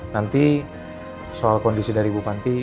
nanti soal kondisi dari ibu panti